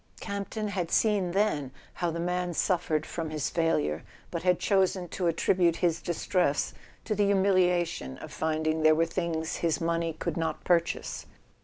Campton had seen then how the man suf¬ fered from his failure, but had chosen to attribute his distress to the humiliation of finding there were things his money could not purchase.